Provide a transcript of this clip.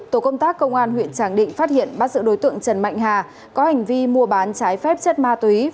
tổ công tác công an huyện tràng định phát hiện bắt giữ đối tượng trần mạnh hà có hành vi mua bán trái phép chất ma túy